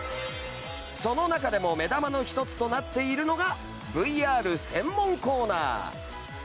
その中でも目玉の一つとなっているのがＶＲ専門コーナー。